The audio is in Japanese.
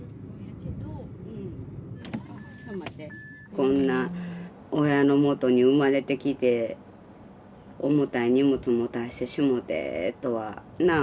こんな親のもとに生まれてきて重たい荷物持たしてしもてとはなあ。